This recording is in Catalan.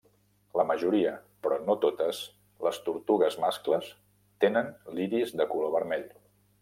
La majoria, però no totes, les tortugues mascles tenen l'iris de color vermell.